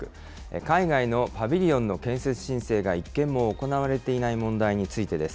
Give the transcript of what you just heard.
海外のパビリオンの建設申請が一件も行われていない問題です。